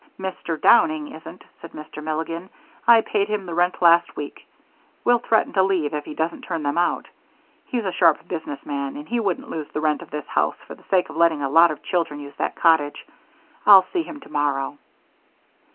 "Mr. Downing isn't," said Mr. Milligan. "I paid him the rent last week. We'll threaten to leave if he doesn't turn them out. He's a sharp businessman and he wouldn't lose the rent of this house for the sake of letting a lot of children use that cottage. I'll see him tomorrow."